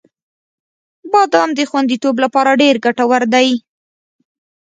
• بادام د خوندیتوب لپاره ډېر ګټور دی.